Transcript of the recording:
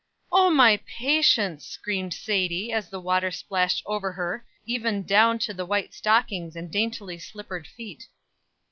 "O, my patience!" screamed Sadie, as the water splashed over her, even down to the white stockings and daintily slippered feet.